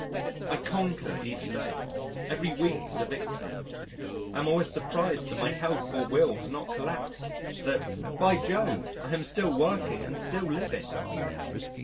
I conquer each day. Every week is a victory. I am always surprised that my health or will has not collapsed, that, by Jove! I am still working and still living.